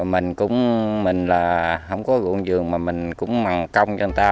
mình cũng không có ruộng giường mà mình cũng mặc công cho người ta